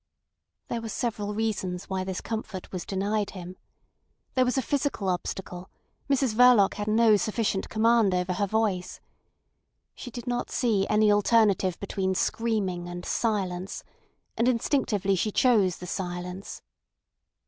There were several reasons why this comfort was denied him. There was a physical obstacle: Mrs Verloc had no sufficient command over her voice. She did not see any alternative between screaming and silence, and instinctively she chose the silence.